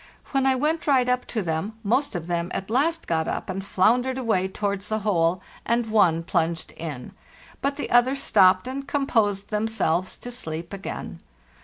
When I went right up to them, most of them at last got up and floundered away towards the hole, and one plunged in; but the others stopped and composed themselves to sleep again.